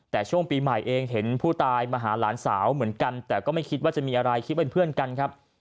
แต่ช่วงปีใหม่เองเห็นผู้ตายมาหาหลานสาวเหมือนกันแต่ก็ไม่คิดว่าจะมีอะไรคิดเป็นเพื่อนกันครับ